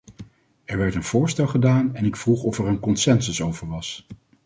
Er werd een voorstel gedaan en ik vroeg of er een consensus over was.